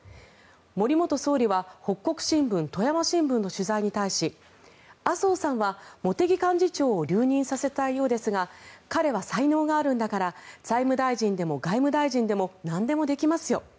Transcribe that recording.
森元総理は北國新聞、富山新聞の取材に対し麻生さんは茂木幹事長を留任させたいようですが彼は才能があるんだから財務大臣でも外務大臣でもなんでもできますよ